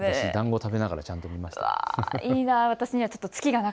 だんごを食べをながらちゃんと見ました。